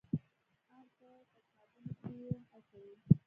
ان په تشنابونو کښې يې اچوي.